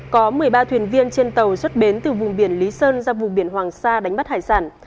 có một mươi ba thuyền viên trên tàu xuất bến từ vùng biển lý sơn ra vùng biển hoàng sa đánh bắt hải sản